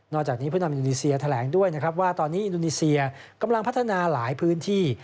จากนี้ผู้นำอินโดนีเซียแถลงด้วยนะครับว่าตอนนี้อินโดนีเซียกำลังพัฒนาหลายพื้นที่